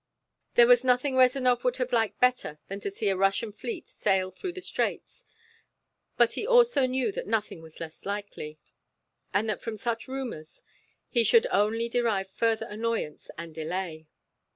There was nothing Rezanov would have liked better than to see a Russian fleet sail through the straits, but he also knew that nothing was less likely, and that from such rumors he should only derive further annoyance and delay.